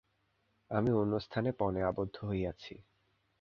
আমি অন্যস্থানে পণে আবদ্ধ হইয়াছি।